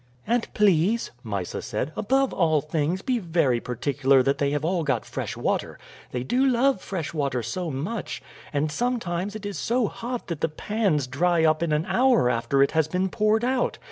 "And please," Mysa said, "above all things be very particular that they have all got fresh water; they do love fresh water so much, and sometimes it is so hot that the pans dry up in an hour after it has been poured out.